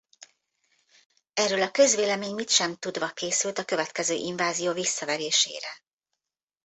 Erről a közvélemény mit sem tudva készült a következő invázió visszaverésére.